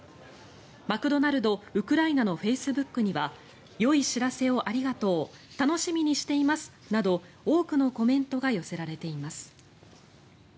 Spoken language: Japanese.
マクドナルド・ウクライナのフェイスブックにはよい知らせをありがとう楽しみにしていますなど多くのコメントが寄せられています。